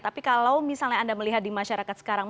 tapi kalau misalnya anda melihat di masyarakat sekarang